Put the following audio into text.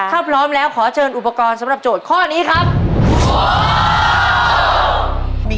ถ้าพร้อมแล้วขอเชิญอุปกรณ์สำหรับโจทย์ข้อนี้ครับ